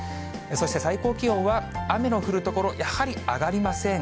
そして最高気温は、雨の降る所、やはり上がりません。